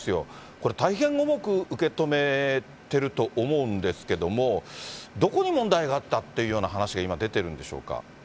これ、大変重く受け止めてると思うんですけども、どこに問題があったっていうような話が今出てるんでしょうか。